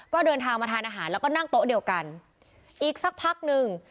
ก็เดินทางมาทานอาหารแล้วก็นั่งโต๊ะเดียวกันอีกสักพักหนึ่ง